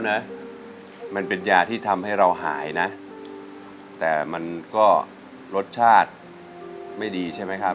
นะมันเป็นยาที่ทำให้เราหายนะแต่มันก็รสชาติไม่ดีใช่ไหมครับ